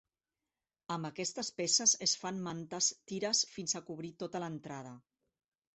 Amb aquestes peces es fan mantes tires fins a cobrir tota l'entrada.